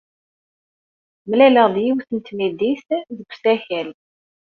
Mlaleɣ-d yiwet n tmidit deg usakal.